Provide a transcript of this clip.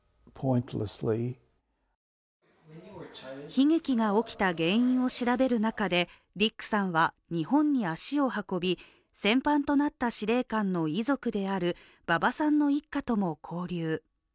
悲劇が起きた原因が調べる中でディックさんは日本に足を運び戦犯となった司令官の遺族である馬場さんの一家とも交流。